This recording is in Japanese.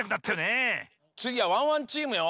つぎはワンワンチームよ。